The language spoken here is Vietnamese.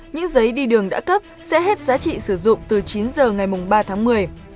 những giấy đi đường đã cấp sẽ hết giá trị sử dụng từ chín h ngày ba tháng một mươi